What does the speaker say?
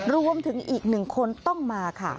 รวมถึงอีกหนึ่งคนต้องมาค่ะ